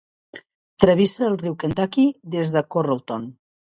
Travessa el riu Kentucky des de Carrollton.